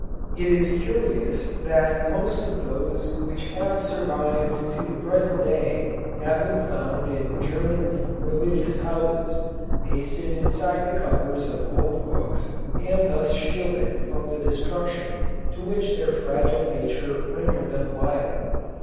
It is curious that most of those which have survived to the present day have been found in German religious houses, pasted inside the covers of old books, and thus shielded from the destruction to which their fragile nature rendered them liable.